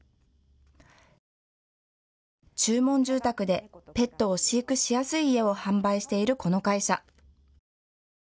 注文住宅でペットを飼育しやすい家を販売しているこの会社。